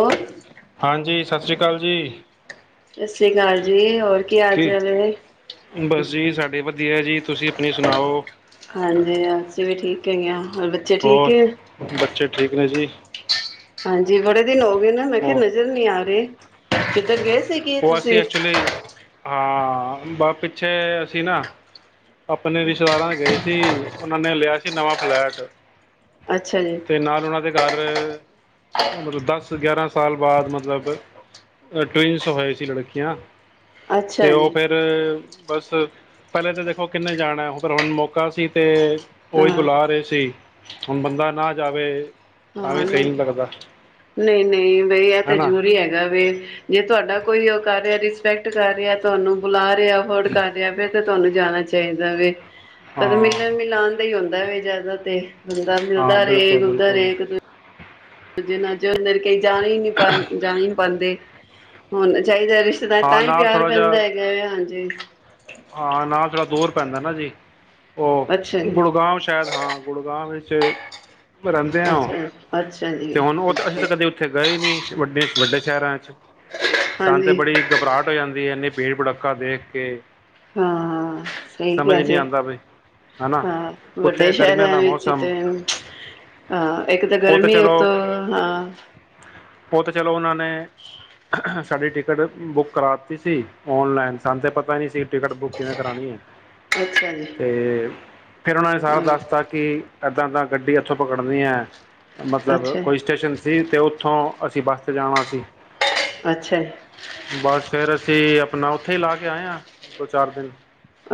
ਹੋਰ ਹਾਂਜੀ ਸਤਿ ਸ਼੍ਰੀ ਅਕਾਲ ਜੀ। ਸਤਿ ਸ੍ਰੀ ਅਕਾਲ ਜੀ ਹੋਰ ਕੀ ਹਾਲ ਚਾਲ ਹ। ਬਸ ਜੀ ਸਾਡੇ ਵਧੀਆ ਜੀ। ਤੁਸੀਂ ਆਪਣੀ ਸੁਣਾਓ ਹਾਂਜੀ ਅਸੀਂ ਵੀ ਠੀਕ ਹੈਗੇ ਆ। ਹੋਰ ਬੱਚੇ ਠੀਕ ਹੋਰ ਹੈ ਬੱਚੇ ਠੀਕ ਨੇ ਜੀ। ਹਾਂਜੀ ਬੜੇ ਦਿਨ ਹੋ ਗਏ ਨਾ ਮੈਂ ਕਿਹਾ ਉਹ ਨਜ਼ਰ ਨਹੀਂ ਆ ਰਹੇ। ਕਿਥੇ ਗਏ ਸ ਸੀਗੇ ਉਹ ਅਸੀਂ ਤੁਸੀਂ। ਐਕਚੁਲੀ ਹਾਂ ਬ ਪਿੱਛੇ ਅਸੀਂ ਨਾ ਆਪਣੇ ਰਿਸ਼ਤੇਦਾਰਾਂ ਗਏ ਸੀ ਉਹਨਾਂ ਨੇ ਲਿਆ ਸੀ ਨਵਾਂ ਫਲੈਟ। ਅੱਛਾ ਜੀ ਤੇ ਨਾਲ ਉਹਨਾਂ ਦੇ ਘਰ ਮਤਲਬ ਦੱਸ ਗਿਆਰਾਂ ਸਾਲ ਬਾਅਦ ਮਤਲਬ ਟਵੀਨਸ ਹੋਏ ਸੀ ਲੜਕੀਆਂ। ਅੱਛਾ ਤੇ ਉਹ ਜੀ ਫੇਰ ਬਸ ਪਹਿਲੇ ਤਾਂ ਦੇਖੋ ਕਿੰਨੇ ਜਾਣਾ ਪਰ ਹੁਣ ਮੌਕਾ ਸੀ ਤੇ ਹਾਂ ਉਹੀ ਬੁਲਾ ਰਹੇ ਸੀ ਹੁਣ ਬੰਦਾ ਨਾ ਜਾਵੇ ਤਾਂ ਵੀ ਸਹੀ ਨਹੀਂ ਲੱਗਦਾ। ਨਹੀਂ ਨਹੀਂ ਬਈ ਇਹ ਹੈ ਤਾਂ ਨਾ ਜ਼ਰੂਰੀ ਹੈਗਾ ਵੇ ਜੇ ਤੁਹਾਡਾ ਕੋਈ ਉਹ ਕਰ ਰਿਆ ਰਿਸ ਕਰ ਰਿਹਾ ਤੁਹਾਨੂੰ ਬੁਲਾ ਹੋਰ [unintelligible] ਤੁਹਾਨੂੰ ਜਾਣਾ ਚਾਹੀਦਾ ਵੇ। ਪਤਾ ਹਾਂ ਮਿਲਣ ਮਲਾਉਣ ਦਾ ਹੀ ਹੁੰ ਵੀ ਜ਼ਿਆਦਾ ਤੇ ਮਿਲਦਾ ਹਾਂ ਮਿਲਦਾ ਰਹੇ ਬਿਲਕੁਲ ਗੁਲਦਾ ਬਿਲਕੁਲ ਰਹੇ ਇੱਕ ਦੂ ਜੀਨਾ ਜੋ ਨਲਕੇ ਜਾ ਹੀ ਨੀ ਪਾ ਜਾਹੀ ਨੀ ਪਾਂਦੇ। ਹੁਣ ਚਾਹੀਦਾ ਰਿਸ਼ਤੇਦਾਰ ਹਾਂ ਤਾਂ ਹੀ ਨਾਲ ਪਿਆਰ ਥੋੜ੍ਹਾ ਜਿਹਾ ਪੈਂਦਾ ਹੈਗਾ ਹਾਂਜੀ। ਹਾਂ ਨਾ ਥੋੜਾ ਦੂਰ ਪੈਂਦਾ ਨਾ ਜੀ। ਉਹ ਅੱਛਾ ਜੀ ਗੁੜਗਾਵ ਸ਼ਾਇਦ ਹਾਂ ਗੁੜਗਾਵ ਵਿੱਚ [unintelligible] [unintelligible] ਅੱਛਾ ਅੱਛਾ ਜੀ ਤੇ ਹੁਣ ਉਹ ਤਾਂ ਅਸੀਂ ਅੱਛਾ ਤਾਂ ਕਦੇ ਉੱਥੇ ਗਏ ਨਹੀਂ ਵੱਡੇ ਵੱਡੇ ਸ਼ਹਿਰਾਂ 'ਚ ਸਾਨ ਤੇ ਹਾਂਜੀ। ਬੜੀ ਘਬਰਾਹਟ ਹੋ ਜਾਂਦੀ ਏਨੀ ਭੀੜ ਭੜਕਾਾ ਦੇਖ ਕੇ ਹਾਂ ਸਹੀ ਸਮਝ ਕਿਹਾ ਨਹੀਂ ਜੇ ਆਉਂਦਾ ਬਈ ਹਨਾ ਹਾਂ ਵੱਡੇ ਉੱਥੇ ਗਰਮੀਆਂ ਸ਼ਹਿਰਾਂ ਦਾ ਵਿੱਚ ਮੌਸਮ ਤੇ ਹਾਂ ਇੱਕ ਤਾਂ ਉਹ ਗਰਮੀ ਚਲੋ ਉਤੋਂ ਹਾਂ ਉਹ ਤਾਂ ਚਲੋ ਉਹਨਾਂ ਨੇ ਸਾਡੀ ਟਿਕਟ ਬੁੱਕ ਕਰਾ ਦਿੱਤੀ ਸੀ ਔਨਲਾਈਨ ਸਾਨੂੰ ਤਾਂ ਪਤਾ ਹੀ ਨਹੀਂ ਸੀ ਟਿਕਟ ਬੁੱਕ ਕਿਵੇਂ ਕਰਾਣੀ ਏ ਅੱਛਾ ਜੀ ਤੇ ਫਿਰ ਉਹਨਾਂ ਨੇ ਸਾਰਾ ਹਾਂ ਦੱਸਤਾ ਕਿ ਏਦਾਂ ਦਾ ਗੱਡੀ ਇੱਥੋਂ ਪਕੜਨੀ ਹੈ ਮਤਲਬ ਅੱਛਾ ਕੋਈ ਸਟੇਸ਼ਨ ਸੀ ਤੇ ਉੱਥੋਂ ਅਸੀਂ ਬੱਸ 'ਤੇ ਜਾਣਾ ਸੀਂ ਅੱਛਾ ਜੀ ਤੇ ਆਪਣਾ ਉੱਥੇ ਹੀ ਲਾ ਕੇ ਆਏ ਹਾਂ ਦੋ ਚਾਰ ਦਿਨ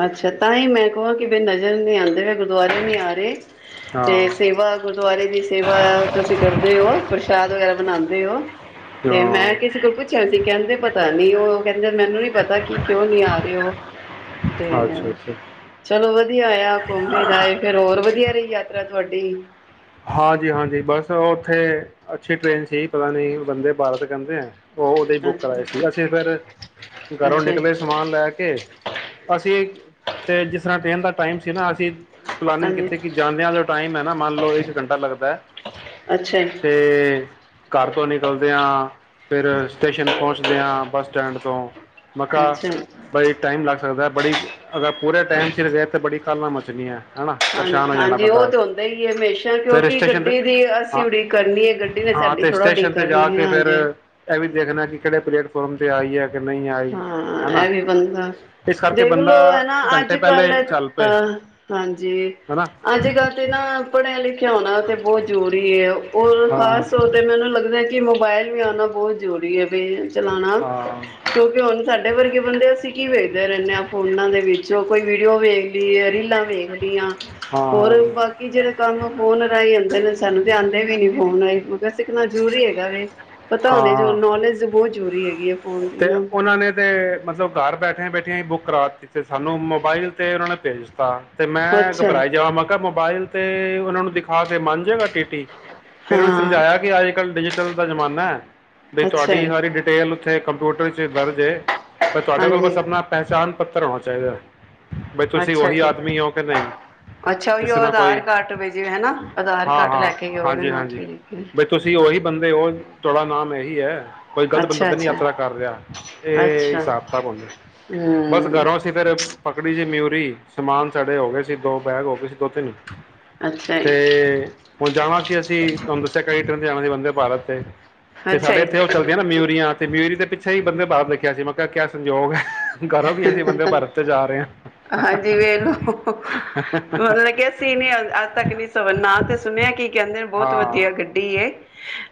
ਅੱਛਾ ਤਾਂ ਹੀ ਮੈਂ ਕਹਾਂ ਕਿ ਮੈਂਨੂੰ ਨਜ਼ਰ ਨਹੀਂ ਆਂਦੇ ਗੁਰਦੁਆਰੇ ਨਹੀ ਆ ਰਹੇ ਤੇ ਹਾਂ ਸੇਵਾ ਗੁਰਦੁਆਰੇ ਦੀ ਸੇਵਾ ਤੁਸੀਂ ਕਰਦੇ ਹੋ ਪ੍ਰਸ਼ਾਦ ਵਗੈਰਾ ਬਨਾਉਂਦੇ ਹੋ ਤੇ ਮੈਂ ਹਾਂ ਕਿਸੇ ਕੋਲ ਪੁੱਛਿਆ ਸੀ ਕਹਿੰਦੇ ਪਤਾ ਬਈ ਉਹ ਕਹਿੰਦੇ ਮੈਨੂੰ ਨੀ ਪਤਾ ਕਿ ਕਿਉਂ ਨੀ ਆ ਰਹੇ ਉਹ ਤੇ ਅੱਛਾ ਅੱਛਾ ਚਲੋ ਵਧ ਵਧੀਇਆ ਹੋਯਾ ਘੁੰਮ ਫਿਰ ਫੇਰ ਹੋਰ ਵਧੀਆ ਰਹੀ ਯਾਤਰਾ ਤੁਹਾਡੀ ਹਾਂਜੀ ਹਾਂਜੀ ਬਸ ਉੱਥੇ ਅੱਛੀ ਟ੍ਰੇਨ ਸੀ ਪਤਾ ਨਹੀਂ ਬੰਦੇ ਭਾਰਤ ਕਹਿੰਦੇ ਉਹ ਉਹਦੇ ਹੀ ਬੁੱਕ ਅੱਛਾ ਕਰਵਾਏ ਸੀ ਅਸੀਂ ਫਿਰ ਘਰੋਂ ਅੱਛਾ ਨਿਕਲੇ ਸਮਾਨ ਲੈ ਕੇ ਅਸੀਂ ਤੇ ਜਿਸ ਤਰ੍ਹਾਂ ਟ੍ਰੇਨ ਦਾ ਟਾਈਮ ਸੀ ਨਾ ਅਸੀਂ ਪਲਾਨਿੰਗ ਹਾਂਜੀ ਕਿਤੀ ਕਿ ਜਾਂਦਿਆਂ ਦਾ ਟਾਈਮ ਹੈ ਨਾ ਮਨ ਲੋ ਇਹ ਘੰਟਾ ਲੱਗਦਾ ਅੱਛਾ ਤੇ ਘਰ ਤੋਂ ਨਿਕਲਦੇ ਹਾਂ ਫਿਰ ਸਟੇਸ਼ਨ ਪਹੁੰਚਦੇ ਹਾਂ ਬੱਸ ਸਟੈਂਡ ਤੋਂ ਮੱਕਾ ਅੱਛਾ ਬੜੀ ਟਾਈਮ ਲੱਗ ਸਕਦਾ ਹੈ ਬੜੀ ਅਗਰ ਪੂਰੇ ਟਾਈਮ ਸਿਰ ਤਾਂ ਬੜ [unintelligible] ਹਾਂ ਹਾਂਜੀ ਉਹ ਤੇ ਹਉਂਦਾ ਹੀ ਹਮੇਸ਼ਾ ਫਿਰ ਕਿਉਂਕਿ ਸਟੇਸ਼ਨ 'ਤੇ ਗੱਡੀ ਦੀ ਅਸੀਂ ਹਾਂ ਉਡੀਕ ਕਰਨੀ ਹੈ ਗੱਡੀ ਨੇ ਹਾਂ ਸਾਡੀ ਤੇ ਥੋੜਾ ਸਟੇਸ਼ਨ ਉਡੀਕ ਤੇ ਜਾ ਕਰਨੀ ਹੈ ਕੇ ਫਿਰ ਹਾਂਜੀ ਇਹ ਵੀ ਦੇਖਣਾ ਕਿ [unintelligible] ਆਈ ਹਾਂ ਹਨਾ ਇਹ ਵੀ ਬੰਦਾ ਇਸ ਕਰਕੇ ਬੰਦਾ ਦੇਖਲੋ ਹੈ ਨਾ, ਅੱਜ ਘੰਟੇ ਕੱਲ ਪਹਿਲੇ ਚੱਲ ਅ ਪਏ ਹਾਂਜੀ ਹਨਾ ਅੱਜ ਕੱਲ ਤੇ ਨਾ ਪਲੈਨਲਿਟੀ ਤੇ ਹੋਣਾ ਤੇ ਬਹੁਤ ਜ਼ਰੂਰੀ ਹੈ। ਫੇਰ ਔ ਖਾਸ ਹਾਂ ਤੌਰ ਤੇ ਮੈਨੂੰ ਲੱਗਦਾ ਕਿ ਮੋਬਾਇਲ ਵੀ ਆਉਣਾ ਬਹੁਤ ਜ਼ਰੂਰੀ ਹੈ। ਬੇਲ ਚਲਾਉਣਾ ਹਾਂ ਕਿਉਂਕਿ ਹੁਣ ਸਾਡੇ ਵਰਗੇ ਬੰਦੇ, ਅਸੀਂ ਕੀ ਵੇਖਦੇ ਰਹਿੰਦੇ ਹਾਂ ਫੋਨਾਂ ਦੇ ਵਿੱਚ ਕੋਈ ਵੀਡੀਓ ਵੇਖਲੀ, ਰੀਲਾਂ ਵੇਖਲਈਆਂ ਹੋਰ ਹਾਂ ਬਾਕੀ ਜਿਹੜੇ ਕੰਮ ਫੋਨ ਰਾਹੀਂ ਆਉਂਦੇ ਨੇ ਸਾਨੂੰ ਤੇ ਆਉਂਦੇ ਵੀ ਵੀ ਨੀ ਹੋਣਾ ਮ ਸਿੱਖਣਾ ਜ਼ਰੂਰੀ ਹੈਗਾ ਵੇ ਪਤਾ ਹੋਣੇ ਜੋ ਹਾਂ ਨੌਲੇਜ ਬਹੁਤ ਚੋਰੀ ਹੈਗੀ ਹੈ ਫੋਨ ਦੀ ਤੇ ਨਾ ਉਹਨਾਂ ਨੇ ਤੇ ਮਤਲਬ ਘਰ ਬੈਠੇਆਂ ਬੈਠੇ ਟਿਕਟਾਂ ਬੁੱਕ ਕਰਾ ਤੀ, ਤੇ ਸਾਨੂੰ ਮੋਬਾਇਲ ਤੇ ਉਹਨਾਂ ਨੇ ਭੇਜ ਦਿੱਤਾ ਤੇ ਮੈਂ ਅੱਛਾ ਜੀ, ਘਬਰਾਈ ਜਾਵਾਂ ਮੈਂ ਕਿਹਾ ਮੋਬਾਇਲ ਤੇ ਉਹਨਾਂ ਨੂੰ ਦਿਖਾ ਦੇ ਮੰਨ ਜਾਏਗਾ ਟੀ ਟੀ, ਫਿਰ ਉਹਨੇ ਹਾਂ ਸਮਝਾਇਆ ਕਿ ਅੱਜ ਕੱਲ੍ਹ ਡਿਜੀਟਲ ਡਿਜਿਟਲ ਦਾ ਜ਼ਮਾਨਾ ਹੈ ਬਈ ਅੱਛਾ ਤੁਹਾਡੀ ਜੀ, ਸਾਰੀ ਡਿਟੇਲ ਉੱਥੇ ਤੇ ਕੰਮ ਟੋਟਲ ਚ, ਐ ਦਰਜ ਐ ਪਰ ਤੁਹਾਡੇ ਕੋਲ ਹਾਂਜੀ ਬਸ ਅਪਣਾ ਪਹਿਚਾਣ ਪੱਤਰ ਹੋਣਾ ਚਾਹੀਦਾ ਹੈ। ਅੱਛਾ ਜੀ ਅੱਛਾ ਉਹੀ ਜਿਸ ਉਹ ਤਰ੍ਹਾਂ ਆਧਾਰ ਕੋਈ ਕਾਰਡ ਵ ਜੇਵੇ ਹੈਾ ਆਧਾਰ ਹਾਂ ਕਾਰਡ ਲੈ ਹਾਂ ਕੇ ਜਾਓ ਹਾਂਜੀ ਨਾਲਥ ਹਾਂਜੀ ਬਈ ਤੁਸੀਂ ਉਹੀ ਬੰਦੇ ਉਹ ਤੁਹਾੜਾ ਨਾਮ ਹੈ ਹੀ ਹੈ ਕੋਈ ਗਲਤ ਅੱਛਾ ਬੰਦਾ ਨੀ ਅੱਛਾ ਆਪਣਾ ਕਰ ਰਿਹਾ ਇਹ ਅੱਛਾ ਹਿਸਾਬ ਕਿਤਾਬ ਹੁੰਦੇ ਬਸ ਹੂੰ ਘਰੋਂ ਅਸੀਂ ਫਿਰ ਪਕੜੀ ਜ ਮਯੁਰੀ, ਸਮਾਨ ਸੜੇ ਹੋ ਗਏ ਸੀ ਦੋ ਬੈਗ ਹੋ ਗਏ ਸੀ ਦੋ ਤਿੰਨ ਅੱਛਾ ਤੇ ਜੀ ਉਹਣ ਜਾਣਾ ਸੀ ਅਸੀਂ, ਤੁਹਾਨੂੰ ਦੱਸਿਆ ਕਈ ਟ੍ਰੇਨਾਂ ਨੇ ਆਣਾ ਹੀ ਬੰਦ ਵੰਦੇ ਭਾਰਤ ਤੇ ਤੇ ਅੱਛਾ ਸਾਡੇ ਇੱਥੇ ਜੀ ਉਹ ਚਲਦੀ ਨਾ, ਮਯੂਰੀਆਂ ਤੇ ਮਯੁਰੀ ਤੇ ਪਿੱਛੇ ਹੀ ਵੰਦੇ ਭਾਰਤ ਲਿਖਿਆ ਸੀ, ਮੈਂ ਕਿਹਾ ਕਿਆ ਸੰਯੋਗ ਹੈ ਘਰੋਂ ਵੀ ਅਸੀਂ ਬੰਦੇ ਭਾਰਤ ਤੇ ਜਾ ਰਹੇ ਹਾਂ ਹਾਂਜੀ ਵੇਖਲੋ, ਮਤਲਬ ਕੇ ਅਸੀ ਨੀ ਅੱਜ ਤੱਕ ਨੀ ਸਫਰ ਨਾ ਤੇ ਸੁਣਿਆ ਕੀ ਕਹਿੰਦੇ ਨੇ ਬਹੁਤ ਹਾਂ ਵਧੀਆ ਗੱਡੀ ਏ,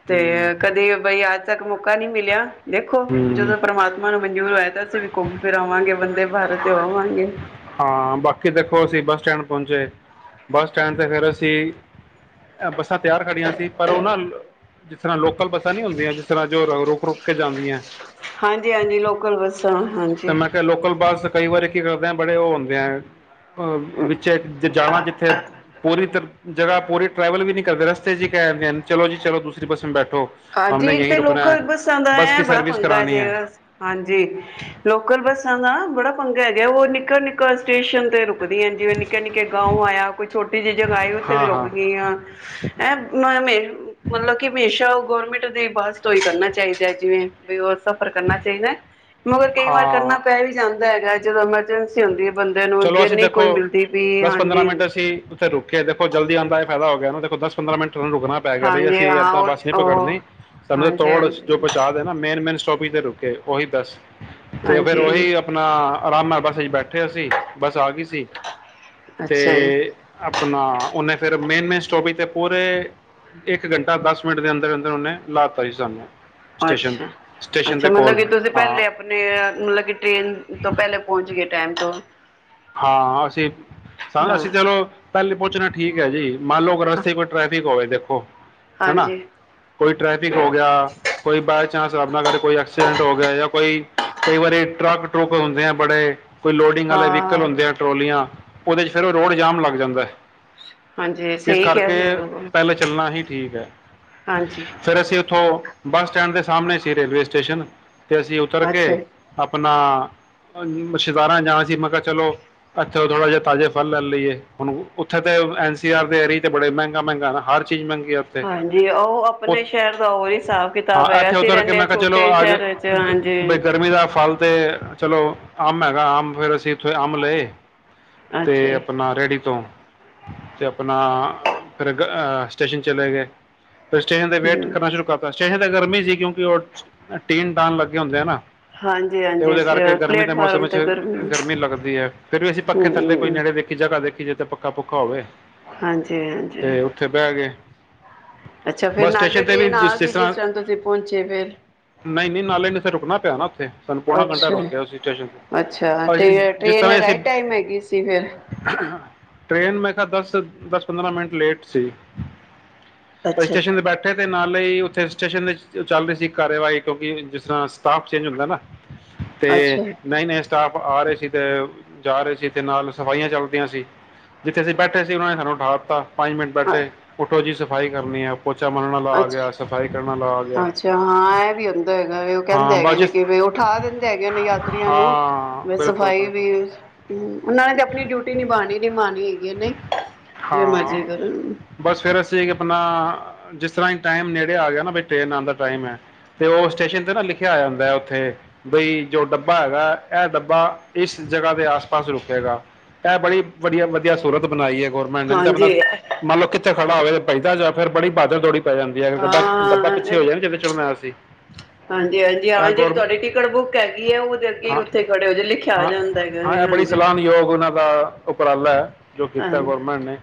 ਤੇ ਹੂੰ ਕਦੇ ਬਈ ਤ ਮੁ ਮੌਕਾ ਨਹੀ ਮਿਲਿਆ ਦੇਖੋ ਹੂੰ ਜਦੋਂ ਪਰਮਾਤਮਾ ਨੂੰ ਮਨਜੂਰ ਹੋਇਆ ਤਾਂ ਅਸੀਂ ਵੀ ਘੁੰਮ ਆਵਾਂਗੇ ਵੰਦੇ ਭਾਰਤ ਤੇ ਆਵਾਂਗੇ। ਹਾਂ ਬਾਕੀ ਦੇਖੋ ਅਸੀਂ ਬੱਸ ਸਟੈਂਡ ਪਹੁੰਚੇ ਬੱਸ ਸਟੈਂਡ ਤੇ ਫਿਰ ਅਸੀਂ ਬੱਸਾਂ ਤਿਆਰ ਖੜੀਆਂ ਸੀ ਪਰ ਉਹ ਨਾ ਜਿਸ ਤਰ੍ਹਾਂ ਲੋਕਲ ਬੱਸਾਂ ਨਹੀਂ ਹੁੰਦੀਆਂ ਜਿਸ ਤਰ੍ਹਾਂ ਜੋ ਰ ਰੋਕੇ ਜਾਂਦੀਆਂ ਹਾਂਜੀ ਹਾਂਜੀ ਲੋਕਲ ਬੱਸਾਂ ਤੇ ਹਾਂਜੀ ਮੈਂ ਕਿਹਾ ਲੋਕਲ ਬੱਸ ਕਈ ਵਾਰੀ ਕੀ ਕਰਦੇ ਆ ਬੜੇ ਉਹ ਹੁੰਦੇ ਆ ਅਹ ਵਿੱਚ ਜਾਵਾਂ ਜ ਥੇ ਪੂਰੀ ਤ ਜ੍ਹਾ ਪੂਰੀ ਟਰੈਵਲ ਵੀ ਨੀ ਕਰਦੇ ਰਸਤੇ ਚੀ ਕਹਿਦੇ ਚਲੋ ਜੀ ਚਲੋ ਦੂਸਰੀ ਬਸੇ ਬੈਠ ਹਾਂਜੀ ਤੇ ਲੋਕਲ ਬੱਸਾਂ ਬੱਸ ਬੜਾ ਪੰਗਾ ਜੇ ਹਾਂਜੀ ਲੋਕਲ ਬੱਸਾਂ ਦਾ ੜਾ ਪੰਗਾ ਹੈਗਾ ਉਹ ਨਿੱਕਾ ਨਿੱਕਾ ਸਟੇਸ਼ਨ ਤੇ ਰੁਕ ਰੁਕਦੀਆਂ ਜਿਵੇ ਨਿੱਕੇ ਨਿੱਕੇ ਗਾਉਆਇਆ ਕੋਈ ਛੋਟੀ ਜਿਹੀ ਜਗਾ ਆਈ ਉੱਥੇ ਵੀ ਹਾਂ ਰੁਕ ਹਾਂ ਗਈਆਂ ਐਂ ਮਤਲਬ ਕਿ ਹਮੇਸ਼ਾ ਗੌਰਮੈਂਟ ਦੇ ਬਸ ਤੋਂ ਹੀ ਕਰਨਾ ਚਾਹੀਦਾ ਜਿਵੇਂ ਵੀ ਸਫ਼ਰ ਕਰਨਾ ਚਾਹੀਦਾ ਮਗਰ ਕਈ ਵਾਰ ਹਾਂ ਕਰਨਾ ਪੈ ਵੀ ਜਾਂਦਾ ਹੈਗਾ ਜਦੋਂ ਮੈਂ ਚਲੋ ਅਸੀਂ ਦੇਖੋ ਵੀ ਦਸ ਪੰਦਰਾਂ ਹਾਂਜੀ ਮਿੰਟ ਅਸੀਂ ਉੱਥੇ ਰੁਕੇ ਦੇਖੋ ਜਲਦੀ ਆਉਂਦਾ ਇਹ ਫਾਇਦਾ ਹੋ ਗਿਆ ਇਹਨੂੰ ਕੋ ਦਸ ਪੰਦਰਾਂ ਮਿੰਟ ਨੂੰ ਰੁਕਣਾ ਪੈ ਗਿਆ ਬਈ ਹਾਂਜੀ ਅਸੀਂ ਹਾਂ ਏਦਾਂ ਬੱਸ ਨੀ ਉਹ ਉਹ ਪਕੜਨੀ ਸਾਨੂੰ ਹਾਂਜੀ ਤੋੜ ਜੋ ਹਾਂਜੀ ਪਹੁੰਚਾ ਦੇ ਨਾ ਮੇਨ ਮੇਨ ਸਟੋਪ ਤੇ ਰੁਕੇ ਉਹੀ ਦੱਸ ਤੇ ਫੇਿਰ ਉਹੀ ਹਾਂਜੀ ਆਪਣਾ ਆਰਾਮ ਹੈ ਬਸ ਜ ਬੈਠ ਉੱਠਿਆ ਸੀ ਬਸ ਆ ਗਈ ਸੀ ਤੇ ਅੱਛਾ ਜੀ ਆਪਣਾ ਉਹਨੇ ਫਿਰ ਮੇਨ ਮੇਨ ਸਟੋਪੀ ਤੇ ਪੂਰੇ ਇੱਕ ਘੰਟਾ ਦਸ ਮਿੰਟ ਦੇ ਅੰਦਰ ਅੰਦਰ ਉਹਨੇ ਲਾ ਦਿੱਤਾ ਸੀ ਸਾਨੂੰ ਸਟੇਸ਼ਨ ਅੱਛਾ ਸਟੇਸ਼ਨ ਅੱਛਾ ਦੇ ਮਤਲਬ ਕੋਲ ਕਿ ਤੁਸੀਂ ਹਾਂ ਪਹਿਲੇ ਆਪਣੇ ਮਤਲਬ ਕਿ ਟ੍ਰੇਨ ਤੋਂ ਪਹਿਲੇ ਪਹੁੰਚ ਗਏ ਟਾਈਮ ਤੋਂ ਹਾਂ ਅਸੀਂ ਸ ਅਸੀਂ ਹਾਂ ਚਲੋ ਪਹਿਲੇ ਪੁੱਹੁਚਣਾ ਠੀਕ ਹੈ ਜੀ ਮੰਨ ਲਓ ਰਸਤੇ ਕੋਈ ਟਰੈਫਿਕ ਹੋਵੇ ੋ [inaudible] ਹੈਾ ਹਾਂਜੀ ਕੋਈ ਟ੍ਰੈਫਿਕ ਹੋ ਗਿਆ ਕੋਈ ਬਾਏ ਚਾਂਸ ਰੱਬ ਨਾ ਕਰੇ ਕੋਈ ਐਕਸੀਡੈਂਟ ਹੋ ਗਿਆ ਜਾਂ ਕੋਈ ਕਈ ਵਾਰੀ ਟਰੱਕ ਟਰੁਕ ਹੁੰਦੇ ਆ ਬੜੇ ਕੋਈ ਲੋਡਿੰਗ ਵਾਲੇ ਨਲ ਹਾਂ ਹੁੰਦੇ ਆ ਟਰੋਲੀਆਂ ਉਹਦੇ ਚ ਫਿਰ ਉਹ ਰੋਡ ਜਾਮ ਲੱਗ ਜਾਂਦਾ। ਹਾਂਜੀ ਇਸ ਸਹੀ ਕਿਹਾ ਕਰਕੇ ਸੀ ਬਿਲਕੁਲ ਪਹਿਲ ਚੱਲਣਾ ਹੀ ਠੀਕ ਹੈ, ਹਾਂਜੀ ਫਿਰ ਅਸੀਂ ਉੱਥੋਂ ਬੱਸ ਸਟੈਂਡ ਦੇ ਸਾਹਮਣੇ ਤੇ ਰੇਲਵੇ ਸਟੇਸ਼ਨ ਤੇ ਅਸੀਂ ਉਤਰ ਕੇ ਅੱਛਾ ਆਪਣਾ ਆਹ ਛਦਾਰਾਂ ਜਾਣਾ ਸੀ, ਮੈਂ ਕਿਹਾ ਚਲੋ ਇੱਥੇ ਥੋੜ੍ਹਾ ਜਿਹਾ ਤਾਜ਼ੇ ਫਲ ਲੈ ਲਈਏ, ਹੁਣ ਉੱਥੇ ਤੇ ਐਨ ਸੀ ਆਰ ਦੇ ਰੇਟ ਬੜੇ ਮਹਿੰਗਾ ਮਹਿੰਗਾ ਆ ਹਰ ਚੀਜ਼ ਮਹਿੰਗੀ ਆ ਉੱਥੇ ਹਾਂਜੀ ਉਹ ਉ- ਆਪਣੇ ਸ਼ਹਿਰ ਦਾ ਉਹੀ ਹਿਸਾਬ ਹਾਂ ਕਿਤਾਬ ਹੈਗਾ, ਇੱਥੇ ਅਸੀ ਉਤਰ ਕੇ ਰਹਿੰਣੇ ਹਾਂ ਮੈਂ ਕਿਹਾ ਚਲੋ ਛੋਟੇ ਅੱਜ ਸ਼ਹਿਰ ਵਿੱਚ ਗ- ਬਈ ਹਾਂਜੀ। ਗਰਮੀ ਦਾ ਫਲ ਤੇ ਚਲੋ ਅੰਬ ਹੈਗਾ ਅੰਬ ਫੇਰ ਅਸੀਂ ਫ਼ੇਰ ਅੰਬ ਲੇ ਅੱਛਾ ਤੇ ਆਪਣਾ ਰੇਹੜੀ ਤੋਂ ਤੇ ਆਪਣਾ ਫਿਰ ਸਟੇਸ਼ਨ ਚਲੇ ਗਏ। ਸਟੇਸ਼ਨ ਤੇ ਜੀ ਵੇਟ ਕਰਨਾ ਸ਼ੁਰੂ ਕਰਤਾ ਸੀ। ਚਾਗੀ ਤਾਂ ਗਰਮੀ ਸੀ, ਕਿਉਂਕਿ ਉਹ ਟੀਨ ਟਾਣ ਲੱਗੇ ਹੁੰਦੇ ਹੈ ਨਾ ਹਾਂਜੀ ਤੇ ਹਾਂਜੀ ਉਹਦੇ ਕਰਕੇ ਗਰਮੀ ਦੇ ਮੌਸਮ ਪਲੇਟਫਾਰਮ ਵਿੱਚ ਤੇ ਗਰਮ ਗਰਮੀ ਲੱਗਦੀ ਹੈ, ਫਿਰ ਵੀ ਅਸੀਂ ਪੱਖੇ ਥੱਲੇ ਕੋਈ ਨੇੜੇ ਦੇਖੀ ਜਗ੍ਹਾ ਦੇਖੀ, ਜਿੱਥੇ ਪੱਖਾ ਪੁਖਾਂ ਹੋਵੇ ਹਾਂਜੀ ਹਾਂਜੀ ਤੇ ਉੱਥੇ ਬਹਿ ਗਏ ਅੱਛਾ ਫੇਰ ਬਸ ਨਾਲੇ ਸਟੇਸ਼ਨ ਤੇ ਵੀ ਟ੍ਰੇਨ ਆ ਗਈ ਤਰ੍ਹਾਂ ਜਿਸ ਟਾਈਮ ਤੁਸੀਂ ਪਹੁੰਚੇ ਫਿਰ ਨਹੀਂ ਨਹੀਂ ਨਾਲੇ ਨ ਸੇ ਰੁਕਣਾ ਪਿਆ ਨਾ। ਤੇ ਸਾਨੂੰ ਪੌਣਾ ਘੰਟਾ ਅੱਛਾ ਰੋਕਿਆ ਸੀ ਸਟੇਸ਼ਨ ਤੇ ਅੱਛਾ ਅਸੀਂ ਤੇ ਜਿਸ ਟ੍ਰੇਨ ਤਰ੍ਹਾਂ ਅਸੀਂ ਰਾਈਟ ਟਾਈਮ ਹੈਗੀ ਸੀ ਫੇਰ ਟ੍ਰੇਨ ਮੈਂ ਕਿਹਾ ਦਸ ਦਸ ਪੰਦਰਾਂ ਮਿੰਟ ਲੇਟ ਸੀ। ਤੇ ਅੱਛਾ ਸਟੇਸ਼ਨ ਤੇ ਬੈਠੇ ਦੇ ਨਾਲ ਹੀ ਉਥੇ ਸਟੇਸ਼ਨ ਵਿੱਚ ਚੱਲ ਰਹੀ ਸੀ ਕਾਰਵਾਈ, ਕਿਉਂਕਿ ਜਿਸ ਤਰ੍ਹਾਂ ਸਟਾਫ ਚੇਂਜ ਹੁੰਦਾ ਨਾ ਤੇ ਅੱਛਾ ਨਹੀਂ ਨਹੀਂ। ਉਹ ਆ ਰਹੇ ਸੀ ਤੇ ਜਾ ਰਹੇ ਸੀ, ਤੇ ਨਾਲ ਸਫਾਈਆਂ ਚੱਲਦੀਆਂ ਸੀ ਜਿੱਥੇ ਅਸੀਂ ਬੈਠੇ ਸੀ, ਉਹਨਾਂ ਨੇ ਸਾਨੂੰ ਉਠਾ ਦਿੱਤਾ। ਪੰਜ ਮਿੰਟ ਬੈਠੇ, ਉੱਠੋ ਜੀ ਸ ਸਫਾਈ ਕਰਨੀ ਹੈ ਆਪ ਅੱਛ ਗਿਆ ਅੱਛਾ ਹਾਂ ਇਹ ਵੀ ਹੁੰਦਾ ਹੈਗਾ ਵੇ, ਉਹ ਕਹਿੰਦੇ ਹਾਂ ਬਸ ਹੈਗੇ ਨੇ ਜਿਸ- ਕਿ ਉਠਾ ਦਿੰਦੇ ਹੈਗੇ ਨੇ ਯਾਤਰੀਆਂ ਨੂੰ, ਹਾਂ ਵੈਸੇ। ਬਿਲਕੁਲ ਸਫ਼ਾਈ ਬਿਲਕੁਲ ਵੀ, ਉਹਨਾਂ ਨੇ ਤੇ ਆਪਣੀ ਡਿਊਟੀ ਨਿਭਾਣੀ ਨਿਭਾਉਣੀ ਹੈਗੀ ਏ ਨਹੀਂ, ਜਿਵੇਂ ਮਰਜੀ ਕਰੋ ਫ਼ਿਰ ਅਸੀਂ ਆਪਣਾ ਜਿਸ ਤਰ੍ਹਾਂ ਹੀ ਟਾਈਮ ਨੇੜੇ ਆ ਗਿਆ ਨਾ, ਵੀ ਟ੍ਰੇਨ ਆਉਣ ਦਾ ਟਾਈਮ ਹੈ, ਤੇ ਉਹ ਸਟੇਸ਼ਨ ਤੇ ਨਾ ਲਿਖਿਆ ਆ ਜਾਂਦਾ ਹੈ ਉੱਥੇ ਬਈ ਜੋ ਡੱਬਾ ਹੈਗਾ, ਇਹ ਡੱਬਾ ਬਾ ਇਸ ਜਗ੍ਹਾ ਦੇ ਆਸ ਪਾਸ ਰੁਕੇੇਗਾ, ਇਹ ਬੜੀ ਵਧੀਆ ਵਧੀਆ ਸੂਰਤ ਬਣਾਈ ਹੈ। ਗੌਰਮਟ ਨੇ ਤਾਂ ਆਪਦਾ, ਹਾਂਜੀ ਮੰਨ ਲੋ ਕਿੱਥੇ? ਖੜਾ ਹੋਵੇ ਤਾਂ ਭੱਜਦਾ ਜਾ ਫਿਰ ਬੜੀ ਭਾਜੜਦੋੜੀ ਪੈ ਜਾਂਦੀ ਹੈ, ਅਗਰ ਡੱਬਾ ਡੱਬਾ ਪਿੱਛੇ ਹਾਂ ਹੋ ਜਾਵੇ ਜੀਦੇ ਚ ਚੱਲੋ ਮੈਂ ਆਇਆ ਸੀ। ਹਾਂਜੀ ਹਾਂਜੀ ਹਾਂ ਜਿਹੜੀ ਤੁਹਾਡੀ ਟਿਕਟ ਬੁੱਕ ਹੈਗੀ ਹੈ ਉਹ ਤਾਂ ਅੱਗੇ ਹਾਂ ਉੱਥੇ ਖੜੇ ਹੋ ਲਿਖਿਆ ਆ ਹਾਂ ਜਾਂਦਾ ਹੈਗਾ ਹਾਂ ਹਾਂਜੀ ਇਹ ਬੜੀ ਸਲਾਨਯੋਗ ਉਹਨਾਂ ਦਾ ਉਪਰਾਲਾ ਹੈ ਜੋ ਹਾਂ ਕੀਤਾ ਗੌਰਮੈਂਟ ਨੇ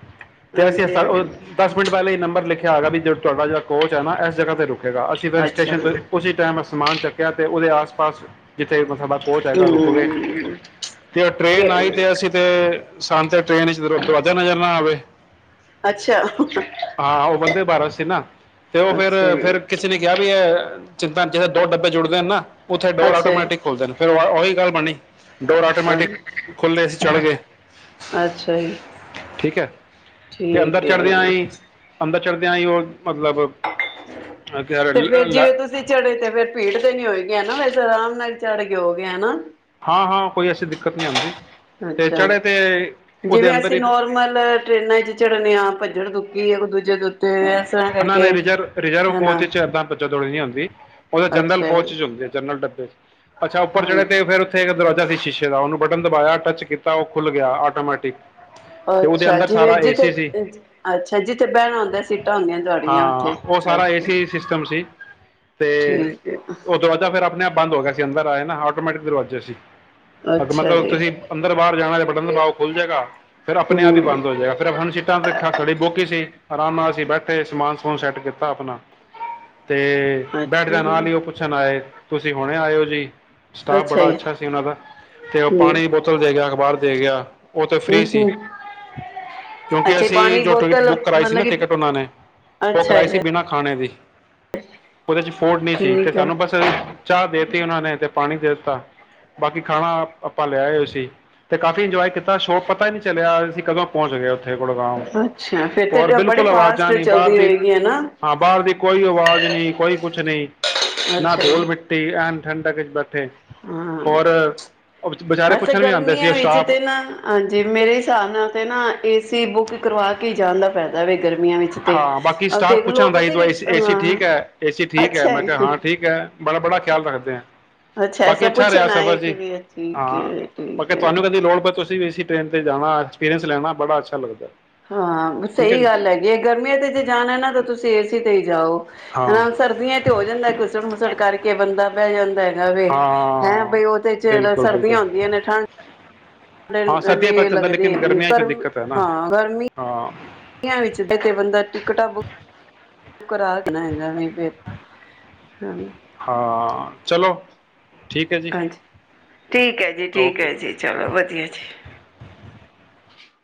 ਤੇ ਅਸੀਂ ਹਾਂਜੀ ਹਾਂਜੀ ਦਸ ਮਿੰਟ ਪਹਿਲਾਂ ਹੀ ਨੰਬਰ ਲਿਖਿਆ [unintelligible] ਤੁਹਾਡਾ ਜਿਹੜਾ ਕੋਚ ਹੈ ਨਾ ਇਸ ਜਗ੍ਹਾ ਤੇ ਰੁਕ ਜ੍ਹਾ ਅਸੀਂ ਫਿਰ ਅੱਛਾ ਸਟੇਸ਼ਨ ਤੋਂ ਹਮ ਉਸ ਟਾਈਮ ਸਮਾਨ ਚੱਕਿਆ ਅਤੇ ਉਹਦੇ ਪਾਸ ਜਿੱਥੇ ਸਾਡਾ ਕੋਚ ਹੈਗਾ ਰੁਕ ਗਏ ਤੇ ਟ੍ਰੇਨ ਆਈ ਤੇ ਅਸੀਂ ਤੇ [unintelligible] ਨਜ਼ਰ ਨਾ ਆਵੇ ਅੱਛਾ ਭਾਰਾ ਸੀ ਨਾ ਤੇ ਉਹ ਫਿਰ ਅੱਛਾ ਫਿਰ ਕਿਸੇ ਨੇ ਕਿਹਾ ਵੀ ਜਿੰਨਾ ਚਿਰ ਦੋ ਡੱਬੇ ਜੁੜ ਗਏ ਨਾ ਉੱਥੇ ਡੋਰ ਅੱਛਾ ਆਟੋਮੈਟਿਕ ਖੁਲਦੇ ਫਿਰ ਉਹੀ ਗੱਲ ਬਣੀ ਡੋਰ ਆਟੋਮੈਟਿਕ ਖੁੱਲੇ ਸੀ ਚੜ੍ਹ ਗਏ ਅੱਛਾ ਜੀ ਠੀਕ ਹੈ ਤੇ ਅੰਦਰ ਠੀਕ ਹੈ ਚੜਦਿਆ ਹੀ ਅੰਦਰ ਚੜਦਿਆ ਹੀ ਉਹ ਮਤਲਬ ਅ, ਕਿਆ ਤੇ ਲ- ਫੇਰ ਜਿਵੇਂ ਲ- ਤੁਸੀਂ ਚੜੇ ਤੇ ਫੇਰ ਭੀੜ ਤੇ ਨੀ ਹੋਏਗੀ ਵੈਸੇ ਆਰਾਮ ਨਾਲ ਚੜ੍ਹ ਕੇ ਹੋ ਗਏ ਹਨਾ ਹਾਂ ਹਾਂ ਕੋਈ ਐਸੀ ਦਿੱਕਤ ਨਹੀਂ ਆਉਂਦੀ ਤੇ ਅੱਛਾ ਚੜੇ ਤੇ ਉਹਦੇ ਜਿਵੇਂ ਅੰਦਰ ਅਸੀਂ ਹੀ ਨੋਰਮਲ ਟਰੇਨਾਂ ਚ ਚੜਨੇ ਆ ਭੱਜੜ ਦੁੱਕੀ ਆ ਨਾ ਨਹੀਂ ਰਿਜਰਵ ਰਿਜਰਵ ਹਨਾ ਕੋਚ ਚ ਏਦਾ ਭਜੋ ਦੌੜੀ ਨੀ ਹੁੰਦੀ ਉਹਦੇ ਜਨਰਲ ਅੱਛਾ ਕੋਚ ਜੀ, ਚ ਹੁੰਦੀ ਜਨਰਲ ਡੱਬੇ ਚ ਅੱਛਾ ਉੱਪਰ ਚੜੇ ਹਾਂਜੀ। ਤੇ ਫਿਰ ਉਥੇ ਇੱਕ ਦਰਵਾਜ਼ਾ ਸੀ ਸ਼ੀਸ਼ੇ ਦਾ ਉਹਨੂੰ ਬਟਨ ਦਬਾਇਆ ਟੱਚ ਕੀਤਾ ਉਹ ਖੁੱਲ ਗਿਆ ਆਟੋਮੈਟਿਕ ਤੇ ਉਹਦੇ ਅੱਛਾ ਅੰਦਰ ਜਿਵੇਂ ਸਾਰਾ ਜਿੱਥੇ ਏਸੀ ਸੀ ਸੀ, ਅੱਛਾ ਜਿੱਥੇ ਬਹਿਣ ਹਾਂ ਉਹ ਸਾਰਾ ਏ ਅੱਛਾ ਸੀ ਸਿਸਟਮ ਸੀ ਤੇ ਠੀਕ ਹੈ। ਉਹ ਤੋਂ ਦਰਵਾਜਾ ਫਿਰ ਆਪਣੇ ਆਪ ਬੰਦ ਹੋ ਗਿਆ ਸੀ ਅੰਦਰ ਆਏ ਨਾ ਆਟੋਮੈਟਿਕ ਦਰਵਾਜੇ ਸੀ ਅ ਅੱਛਾ ਮਤਲਬ ਜੀ ਤੁਸੀਂ ਅੰਦਰ ਬਾਹਰ ਜਾਣਾ ਬਟਨ ਦਬਾਓ ਖੁੱਲ ਜਾਏਗਾ ਫਿਰ ਆਪਣੇ ਆਪ ਹੀ ਹੂੰ ਬੰਦ ਹੋ ਜਾਏਗਾ ਫਿਰ ਆਪ ਸੀਟਾ ਤਾਂ ਸਾਡੀਆ ਬੁੱਕ ਹੀ ਸੀ ਆਰਾਮ ਨਾਲ ਅਸੀਂ ਬੈਠੇ ਸਮਾਨ ਸਮਨ ਸੈੱਟ ਕੀਤਾ ਆਪਣਾ ਤੇ ਅੱਛਾ ਬੈਠਦਿਆਂ ਨਾਲ ਹੀ ਉਹ ਪੁੱਛਣ ਆਏ ਤੁਸੀਂ ਹੁਣੇ ਆਇਓ ਜੀ ਸਟਾਫ ਬੜਾ ਅੱਛਾ ਸੀ ਉਹਨਾਂ ਦਾ ਤੇ ਉਹ ਹੂੰ ਪਾਣੀ ਬੋਤਲ ਦੇ ਗਿਆ ਅਖ਼ਬਾਰ ਦੇ ਗਿਆ। ਉਹ ਤਾਂ ਹੂੰ ਫ੍ਰੀ ਸੀ, ਹੂੰ ਕਿਉਂਕਿ ਅੱਛਾ ਅਸੀਂ ਪਾਣੀ ਜੋ ਟਿਕਟ ਬੋਤਲ ਬੁੱਕ ਰਾਈਸੀ ਨਾ ਮਤਲਬ ਕਿ ਟਿਕਟ ੳਹਨਾਂ ਨੇ, ਉਹ ਅੱਛਾ ਕਰਾਇਸੀ ਜੀ ਬਿਨਾ ਖਾ ਖਾਣੇ ਦੀ। ਉਹਦੇ ਚ ਫੋਟ ਨਹੀਂ ਸੀ, ਤੇ ਠੀਕ ਹੈ ਸਾਨੂੰ ਬਸ ਚਾਹ ਦੇਤੀ ਉਹਨਾਂ ਨੇ, ਤੇ ਪਾਣੀ ਦੇ ਬਾਕੀ ਖਾਣਾ ਆਪਾਂ ਲਿਆਏ ਹੋਏ ਸੀ। ਤੇ ਕਾਫ਼ੀ ਇੰਜੋਏ ਕੀਤਾ ਸ਼ੋਅ ਪਤਾ ਹੀ ਨਹੀਂ ਚਲਿਆ, ਅਸ ਕਦੋਂ ਪਹੁੰਚ ਗਿਆ? ਅੱਛਾ ਫੇਰ ਤੇ ਹੋਰ, ਬੜੀ ਬਿਲਕੁਲ ਆਵਾਜ਼ਾਂ ਫਾਸਟ ਨਹੀਂ, ਬਾਹਰ ਚੱਲਦੀ ਦੀ ਹੋਏਗੀ ਹਨਾ ਹਾਂ ਬਾਹਰ ਦੀ ਕੋਈ, ਆਵਾਜ਼ ਨਹੀਂ, ਕੋਈ ਕੁਛ ਨਹੀਂ, ਨਾ ਅੱਛਾ ਧੁਲ ਜੀ ਮਿੱਟੀ ਆ ਠੰਢਕ ਵਿੱਚ ਬੱਚ ਹਾਂ ਵਿਚਾਰੇ ਵੈਸੇ ਪੁੱਛਣ ਵੀ ਆਉਂਦੇ ਸੀ ਉਹ ਗਰਮੀਆਂ ਵਿੱਚ ਸਟਾਫ ਤੇ ਨਾ, ਹਾਂਜੀ। ਮੇਰੇ ਹਿਸਾਬ ਨਾਲ ਤੇ ਨਾ, ਏਸੀ ਬੁੱਕ ਕਰਵਾ ਕੇ ਜਾਨਦਾ ਫੈਦਾ। ਦਵੇ ਹਾਂ, ਬਾਕੀ ਸਟਾਫ ਪੁੱਛਣ ਆਂਦਾ ਪਤਾ ਕੀ ਸੀ, ਏਸੀ ਹਾਂ ਠੀਕ ਹੈ, ਏਸੀ ਠੀਕ, ਅੱਛਾ ਮੈਂ ਕਿਹਾ ਹਾਂ ਠੀਕ ਹੈ, ਬੜਾ ਬੜਾ ਖਿਆਲ ਰੱਖਦੇ ਹ ਅੱਛਾ। ਐਸਾ ਪੁੱਛ ਨਾ ਹੈਏ ਕਿ ਭ ਠੀਕ ਹੈ, ਠੀਕ ਹੈ। ਤੁਸੀ ਵੀ ਇਸ ਟਰੇਨ 'ਤੇ, ਜਾਣਾ ਐਕਸਪਰੀਅੰਸ ਲੈਣਾ ਬੜਾ ਲੱਗਦਾ। ਹਾਂ, ਠੀਕ ਹੈ ਸਹੀ ਜੀ ਗੱਲ ਹੈਗੇ। ਗਰਮੀਆਂ ਤੇ ਜੇ ਜਾਣਾ ਨਾ ਤਾਂ, ਤੁਸੀਂ ਏ ਸੀ ਤੇ ਹੀ ਜਾਓ, ਹਾਂ ਹਨਾ ਸਰਦੀਆਂ ਤੇ ਹੋ ਜਾਂਦਾ, ਘੁਸੜ ਮੁਸੜ ਕਰਕੇ ਬੰਦਾ ਪੈ ਜਾਂ ਜਾਂਦਾ। ਵ ਹੈਂ, ਹਾਂ ਬਈ ਉਹ, ਤੇ ਚ ਬਿਲਕੁਲ ਬਿਲਕੁਲ ਸਰਦੀਆਂ ਹੁੰਦੀਆਂ ਨੇ ਠੰਡ- ਹਾਂ ਸਰਦੀਆਂ 'ਚ ਪਤਾ ਚੱਲਦਾ ਲੱਗਦੇ ਲੇਕਿਨ ਹੈਗੇ ਗਰਮੀਆਂ 'ਚ ਦਿੱਕਤ ਹੈ ਨਾ ਹਾਂ, ਹਾਂ ਗਰਮੀਆਂ ਵਿੱਚ ਬੰਦਾ ਟਿਕਟਾਂ ਬੁੱਕ ਉਹ ਕਰਾ, ਦੇਣਾ ਹੈਗਾ ਫਿਰ ਹਾਂਜੀ। ਹਾਂ, ਚਲੋ। ਠੀਕ ਹੈ ਜੀ ਹਾਂਜੀ ਠੀਕ ਹੈ ਜੀ, ਠੀਕ ਓਕੇ ਹੈ ਜੀ, ਚਲੋ ਵਧੀਆ ਜੀ।